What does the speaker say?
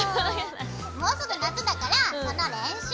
もうすぐ夏だからその練習。